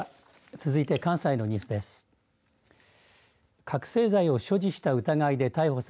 続いて関西のニュースです。